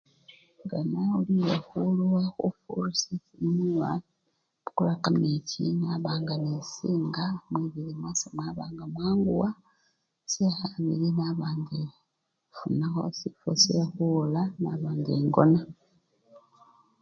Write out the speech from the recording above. Nga nawulile khuluwa khufurisya mwibili, imbukula kamechi naba nga nisinga mwibili mwase mwaba nga mwanguwa syekhabili naba nga efunakho sifwo syekhuwola naba nga engona.